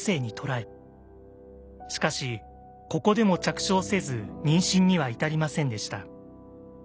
しかしここでも着床せず妊娠には至りませんでした。